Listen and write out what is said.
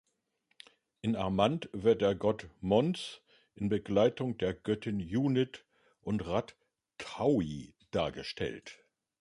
In Armant wird der Gott Month in Begleitung der Göttinnen Junit und Rat-taui dargestellt.